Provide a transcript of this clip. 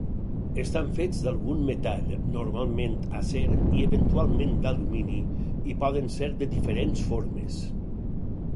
Estan fets d'algun metall, normalment acer i eventualment d'alumini, i poden ser de diferents formes.